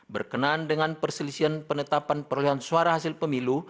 berkenaan dengan perselisian penetapan perolehan suara hasil pemilu